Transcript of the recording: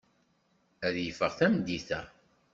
Ad yeffeɣ tameddit-a.